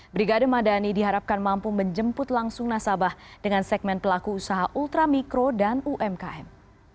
brigade madani diharapkan mampu menjemput langsung nasabah dengan segmen pelaku usaha ultramikro dan umkm